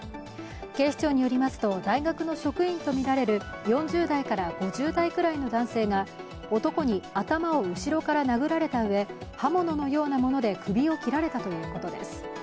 警視庁によりますと大学の職員とみられる４０代から５０代ぐらいの男性が男に頭を後ろから殴られたうえ、刃物のようなもので首を切られたということです。